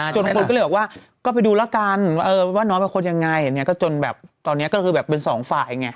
คนก็เลยบอกว่าก็ไปดูแล้วกันว่าน้องเป็นคนยังไงอย่างนี้ก็จนแบบตอนนี้ก็คือแบบเป็นสองฝ่ายไง